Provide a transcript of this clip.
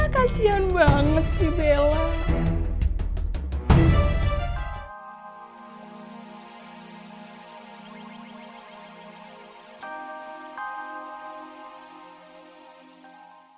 kasian banget si bella